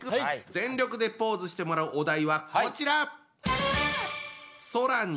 全力でポーズしてもらうお題はこちら！